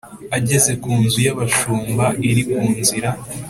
Ageze ku nzu yabashumba iri ku nzira